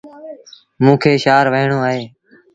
موݩ کي شآهر وهيٚڻون اهي